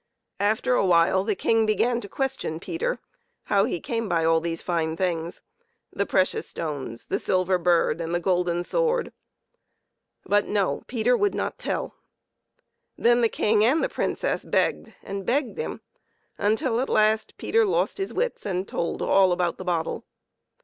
After a while the King began to question Peter how he came by all these fine things the precious stones, the silver bird, and the golden sword; but no, Peter would not tell. Then the King and the Princess begged and begged him, until, at last, Peter lost his wits and told all about the bottle.